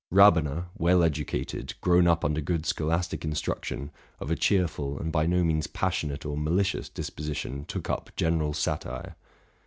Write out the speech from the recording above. Rabener, well educated, grown up under good scholastic instruction, of a cheerful, and by no means passionate or malicious, disposition, took up general satire.